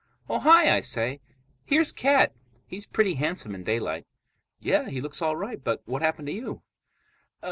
"Oh, hi!" I say. "Here's Cat. He's pretty handsome in daylight." "Yeah, he looks all right, but what happened to you?"